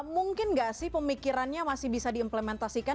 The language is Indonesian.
mungkin nggak sih pemikirannya masih bisa diimplementasikan